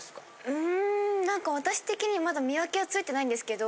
うん何か私的にまだ見分けはついてないんですけど。